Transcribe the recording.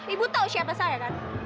ibu tahu siapa saya kan